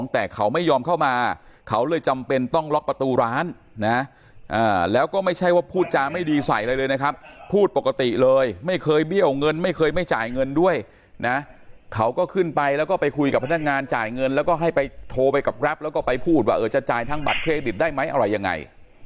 แต่เขาไม่ยอมเข้ามาเขาเลยจำเป็นต้องล็อกประตูร้านนะแล้วก็ไม่ใช่ว่าพูดจาไม่ดีใส่อะไรเลยนะครับพูดปกติเลยไม่เคยเบี้ยวเงินไม่เคยไม่จ่ายเงินด้วยนะเขาก็ขึ้นไปแล้วก็ไปคุยกับพนักงานจ่ายเงินแล้วก็ให้ไปโทรไปกับแรปแล้วก็ไปพูดว่าเออจะจ่ายทั้งบัตรเครดิตได้ไหมอะไรยังไง